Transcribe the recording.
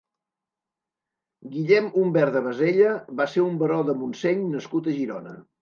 Guillem Umbert de Basella va ser un baró de Montseny nascut a Girona.